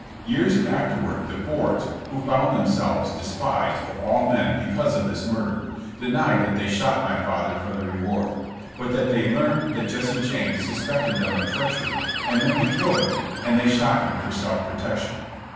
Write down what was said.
Years afterward the Fords, who found themselves despised of all men because of this murder, denied that they shot my father for the reward, but that they learned that Jesse James suspected them of treachery and meant to kill them, and they shot him for self protection.